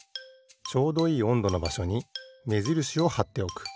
ちょうどいいおんどのばしょにめじるしをはっておく。